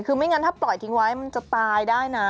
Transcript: คือไม่งั้นถ้าปล่อยทิ้งไว้มันจะตายได้นะ